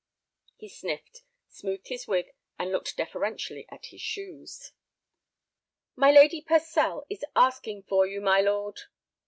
He sniffed, smoothed his wig, and looked deferentially at his shoes. "My Lady Purcell is asking for you, my lord."